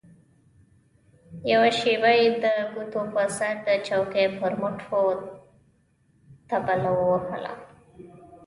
يوه شېبه يې د ګوتو په سر د چوکۍ پر مټو طبله ووهله.